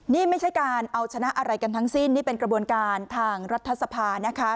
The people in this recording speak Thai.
นี่ไม่ใช่การเอาชนะอะไรกันทั้งสิ้นนี่เป็นกระบวนการทางรัฐสภานะคะ